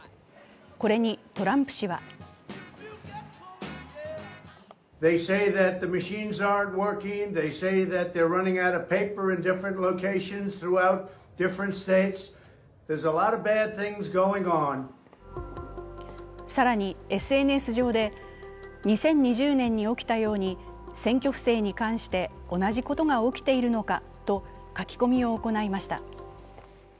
これにトランプ氏は更に、ＳＮＳ上で２０２０年に起きたように選挙不正に関して同じことが起きているのかと書き込みを行いました。